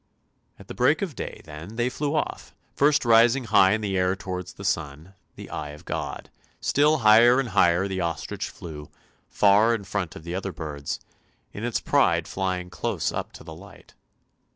" At the break of day, then, they flew off, first rising high in the air towards the sun, the eye of God; still higher and higher the ostrich flew, far in front of the other birds, in its pride flying close up to the light.